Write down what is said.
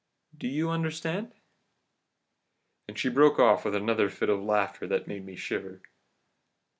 Do you understand?' "And she broke off with another fit of laughter that made me shiver.